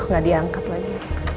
nggak diangkat lagi